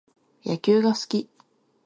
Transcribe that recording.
野球が好き